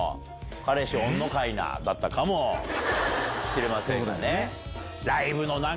「彼氏おんのかいな？」だったかもしれませんがね。